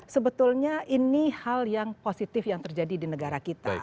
sebetulnya ini hal yang positif yang terjadi di negara kita